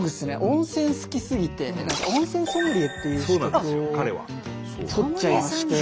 温泉好きすぎて温泉ソムリエっていう資格を取っちゃいまして。